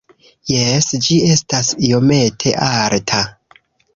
Jes ĝi estas iomete alta